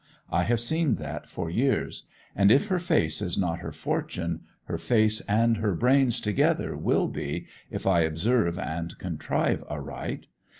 I have seen that for years; and if her face is not her fortune, her face and her brains together will be, if I observe and contrive aright.